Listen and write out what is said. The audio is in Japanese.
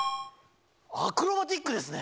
アクロバティックですね。